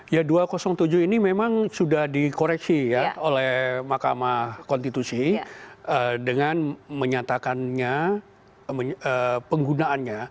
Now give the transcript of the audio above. ya dua ratus tujuh ini memang sudah dikoreksi ya oleh mahkamah konstitusi dengan menyatakannya penggunaannya